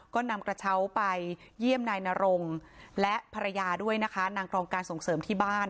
ก็นำกระเช้าไปเยี่ยมนายนรงและภรรยาด้วยนะคะนางรองการส่งเสริมที่บ้าน